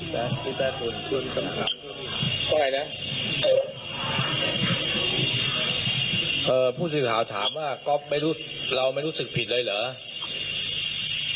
ว่าไงนะผู้สื่อข่าวถามว่าเราไม่รู้สึกผิดเลยเหรอ